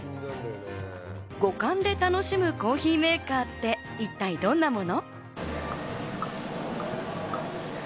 五感で楽しむコーヒーメーカーって一体どんなもの？